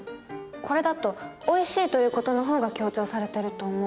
これだと「おいしい」という事の方が強調されてると思う。